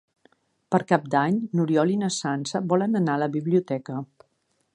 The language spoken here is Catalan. Per Cap d'Any n'Oriol i na Sança volen anar a la biblioteca.